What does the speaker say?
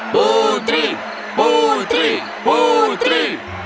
putri putri putri